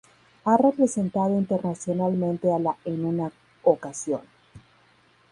A representado internacionalmente a la en una ocasión.